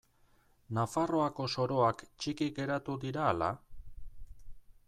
Nafarroako soroak txiki geratu dira ala?